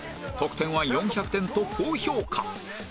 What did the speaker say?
得点は４００点と高評価